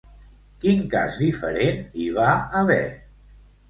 Quin cas diferent hi va haver?